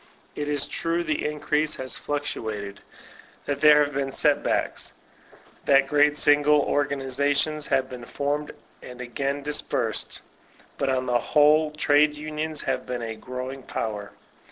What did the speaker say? It is true the increase has fluctuated ; that there have been set backs ; that great single organiza tions have been formed and again dispersed. But on the whole, trade unions have been a growing power.